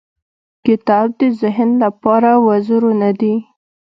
• کتاب د ذهن لپاره وزرونه دي.